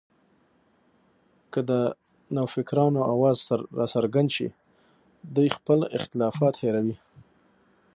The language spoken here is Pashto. که د نوفکرانو اواز راڅرګند شي، دوی خپل اختلافات هېروي